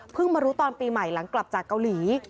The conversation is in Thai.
มารู้ตอนปีใหม่หลังกลับจากเกาหลี